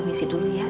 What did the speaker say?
promisi dulu ya sal